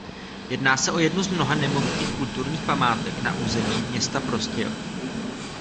Jedná se o jednu z mnoha nemovitých kulturních památek na území města Prostějov.